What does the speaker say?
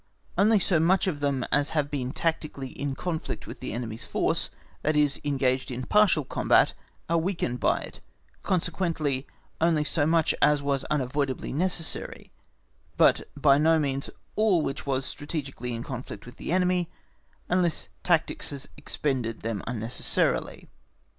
Only so much of them as have been tactically in conflict with the enemy's force, that is, engaged in partial combat, are weakened by it; consequently, only so much as was unavoidably necessary, but by no means all which was strategically in conflict with the enemy, unless tactics has expended them unnecessarily.